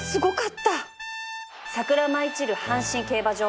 桜舞い散る阪神競馬場